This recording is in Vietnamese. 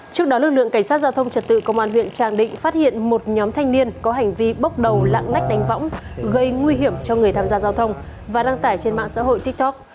trước đó lực lượng cảnh sát giao thông trật tự công an huyện tràng định phát hiện một nhóm thanh niên có hành vi bốc đầu lạng lách đánh võng gây nguy hiểm cho người tham gia giao thông và đăng tải trên mạng xã hội tiktok